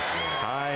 はい。